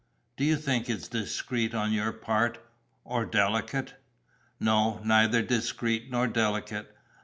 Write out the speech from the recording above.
"Do you think it's discreet on your part ... or delicate?" "No, neither discreet nor delicate.